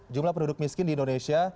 jumlah penduduk miskin di indonesia